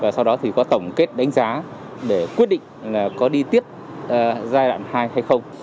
sau đó có tổng kết đánh giá để quyết định có đi tiếp giai đoạn hai hay không